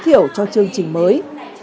thiểu cho chương trình mới